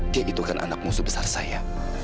dia itu kan anak musuh besar saya